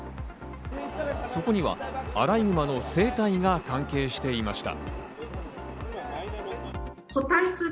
そこにはアライグマの生態が関係していました。